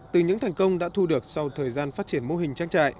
từ những thành công đã thu được sau thời gian phát triển mô hình trang trại